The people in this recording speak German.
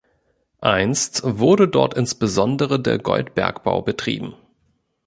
Einst wurde dort insbesondere der Goldbergbau betrieben.